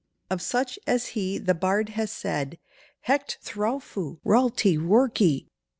"Of such as he the bard has said 'Hech thrawfu' raltie rorkie!